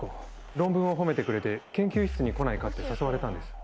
論文を褒めてくれて研究室に来ないかって誘われたんです。